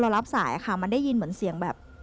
พอเรารับสายมันได้ยินเหมือนเสียงแบบ